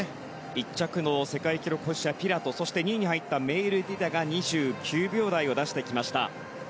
１着の世界記録保持者ピラトそして２位に入ったメイルティテが２９秒台を出してきました。